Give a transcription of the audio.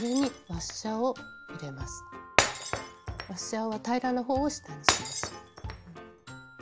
ワッシャーは平らのほうを下にします。